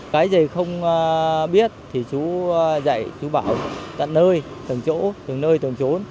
cái gì không biết thì chú dạy chú bảo tận nơi tầng chỗ tầng nơi tầng chỗ